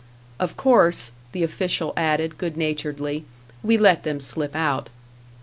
"Of course," the official added, good naturedly, "we let them slip out."